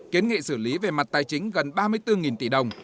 kiến nghị xử lý về mặt tài chính gần ba mươi bốn tỷ đồng